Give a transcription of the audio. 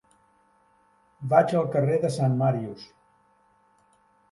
Vaig al carrer de Sant Màrius.